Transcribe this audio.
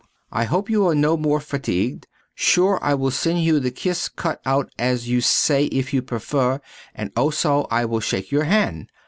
I hope you are no more fatigued. Very sure I will send you the kiss cut out as you say if you prefer. And also I will shake your hand.